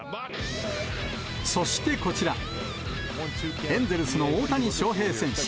そしてこちら、エンゼルスの大谷翔平選手。